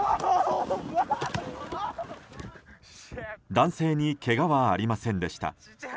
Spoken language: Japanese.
男性にけがはありませんでした。